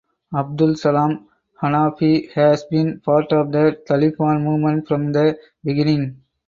Abdul Salam Hanafi has been part of the Taliban movement from the beginning.